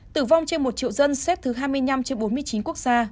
tử vong trên một triệu dân xếp thứ hai mươi năm trên bốn mươi chín quốc gia